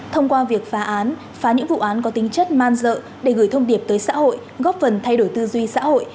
thông qua việc phá án phá những vụ án có tính chất man dợ để gửi thông điệp tới xã hội góp phần thay đổi tư duy xã hội